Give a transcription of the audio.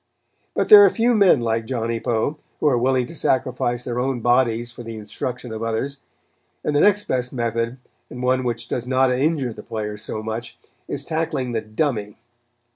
But there are few men like Johnny Poe, who are willing to sacrifice their own bodies for the instruction of others; and the next best method, and one which does not injure the players so much, is tackling the "dummy."